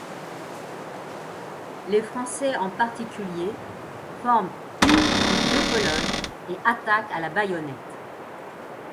Les Français en particulier forment une ou deux colonnes et attaquent à la baïonnette.